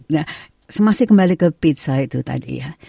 nah masih kembali ke pizza itu tadi ya